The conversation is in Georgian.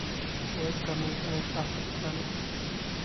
პოეტს გამოუტანეს დახვრეტის განაჩენი.